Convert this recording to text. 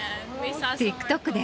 ＴｉｋＴｏｋで？